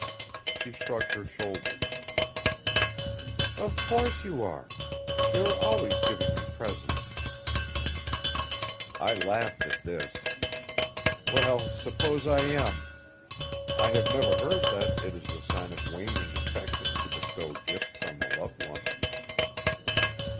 She shrugged her shoulders. "Of course you are; you are always giving me presents." I laughed at this. "Well, suppose I am; I have never heard that it is a sign of waning affection to bestow gifts on the loved one."